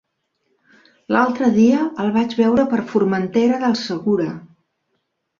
L'altre dia el vaig veure per Formentera del Segura.